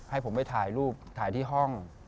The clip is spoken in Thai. ให้ผมไปถ่ายรูปถ่ายที่ห้อง